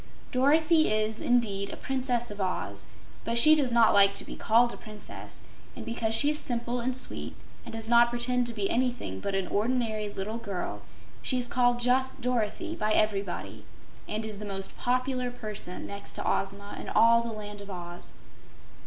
Dorothy is, indeed, a Princess of Oz, but she does not like to be called a princess, and because she is simple and sweet and does not pretend to be anything but an ordinary little girl, she is called just "Dorothy" by everybody and is the most popular person, next to Ozma, in all the Land of Oz.